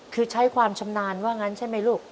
คือใช้ความชำนาญว่างั้นใช่ไหมลูก